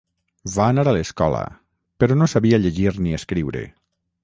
Va anar a l'escola, però no sabia llegir ni escriure.